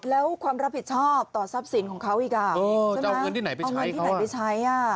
แล้วความรับผิดชอบต่อทรัพย์สินของเขาอีกครับเอาเงินที่ไหนไปใช้